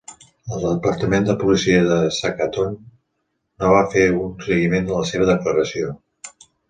El departament de policia de Saskatoon no va fer un seguiment de la seva declaració.